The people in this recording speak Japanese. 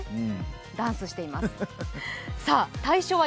ダンスしています。